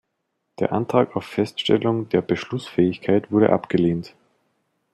Der Antrag auf Feststellung der Beschlussfähigkeit wurde abgelehnt.